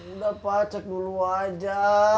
udah pacek dulu aja